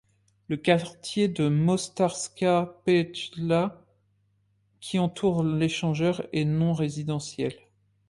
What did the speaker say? Le quartier de Mostarska petlja, qui entoure l'échangeur, est non résidentiel.